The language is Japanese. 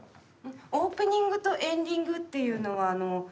オープニングとエンディングっていうのは。